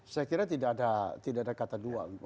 saya kira tidak ada kata dua